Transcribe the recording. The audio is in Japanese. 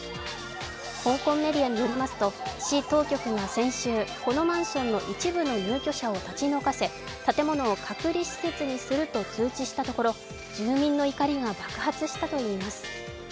香港メディアによりますと市当局が先週このマンションの一部の入居者を立ち退かせ建物を隔離施設にすると通知したところ、住民の怒りが爆発したといいます。